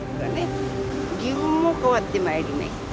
自分も変わってまいりました。